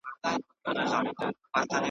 پر هر میدان دي بری په شور دی .